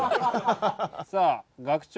さあ学長